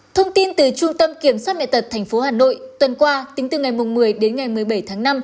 thông tin từ trung tâm kiểm soát mẹ tật tp hà nội tuần qua tính từ ngày một mươi đến ngày một mươi bảy tháng năm